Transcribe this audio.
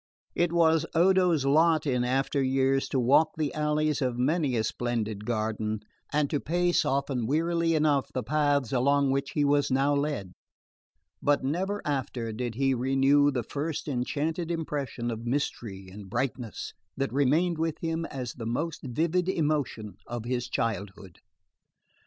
It was Odo's lot in after years to walk the alleys of many a splendid garden, and to pace, often wearily enough, the paths along which he was now led; but never after did he renew the first enchanted impression of mystery and brightness that remained with him as the most vivid emotion of his childhood.